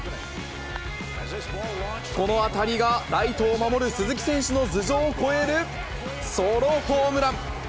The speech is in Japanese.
この当たりがライトを守る鈴木選手の頭上を越えるソロホームラン。